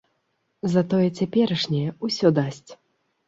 Затое цяперашняя ўсё дасць.